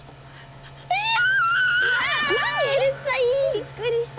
びっくりした。